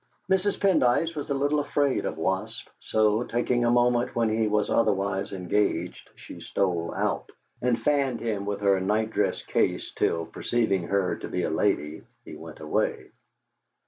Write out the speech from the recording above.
Mrs. Pendyce was a little afraid of wasps, so, taking a moment when he was otherwise engaged, she stole out, and fanned him with her nightdress case till, perceiving her to be a lady, he went away.